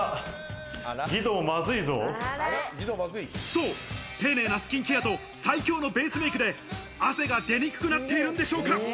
そう、丁寧なスキンケアと最強のベースメイクで汗が出にくくなっているんでしょうか。